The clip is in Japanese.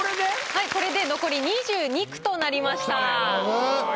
はいこれで残り２２句となりました。